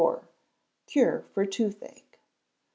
Cure for Toothache.